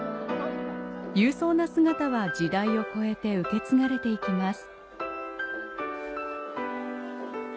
勇壮な姿は時代を超えて受け継がれていきます。